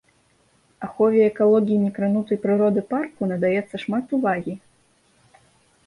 Ахове экалогіі некранутай прыроды парку надаецца шмат увагі.